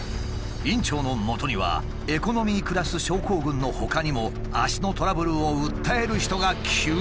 院長のもとにはエコノミークラス症候群のほかにも脚のトラブルを訴える人が急増。